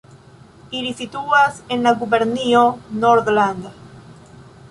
Ili situas en la gubernio Nordland.